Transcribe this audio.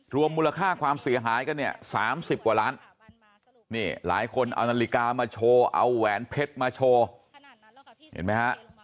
รวมมูลค่าความเสียหายกันเนี่ย๓๐กว่าล้านนี่หลายคนเอานาฬิกามาโชว์เอาแหวนเพชรมาโชว์เห็นไหมฮะ